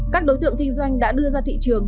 các đối tượng kinh doanh đã đưa ra thị trường